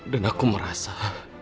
dan aku merasa